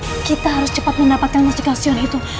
wi kita harus cepat mendapatkan mustikasyon itu